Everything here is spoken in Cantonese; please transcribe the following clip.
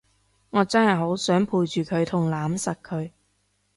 我真係好想陪住佢同攬實佢